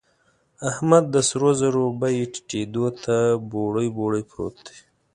احمد د سرو زرو بيې ټيټېدو ته بوړۍ بوړۍ پروت دی.